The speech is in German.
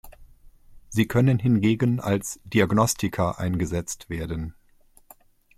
Sie können hingegen als Diagnostika eingesetzt werden.